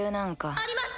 あります！